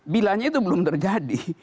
bilanya itu belum terjadi